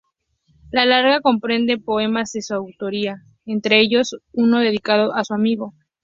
La saga comprende poemas de su autoría, entre ellos uno dedicado a su amigo.